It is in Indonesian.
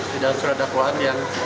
di dalam surat dakwaan yang